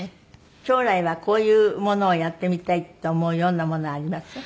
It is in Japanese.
将来はこういうものをやってみたいって思うようなものあります？